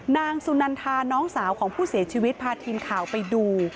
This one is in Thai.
นางสุนันทาน้องสาวของผู้เสียชีวิตพาทีมข่าวไปดู